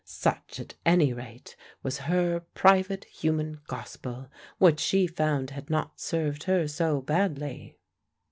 Such at any rate was her private human gospel, which she found had not served her so badly.